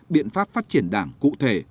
biện pháp phát triển đảng cụ thể